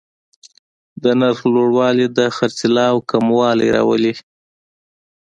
د نرخ لوړوالی د خرڅلاو کموالی راولي.